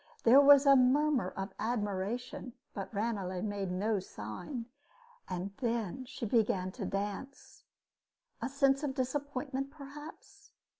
There was a murmur of admiration but Ranelagh made no sign. And then she began to dance. A sense of disappointment, perhaps?